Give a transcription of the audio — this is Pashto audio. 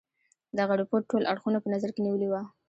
دغه رپوټ ټول اړخونه په نظر کې نیولي وه.